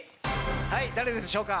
はい誰でしょうか？